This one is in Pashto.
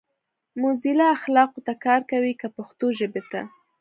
موزیلا اخلاقو ته کار کوي کۀ پښتو ژبې ته؟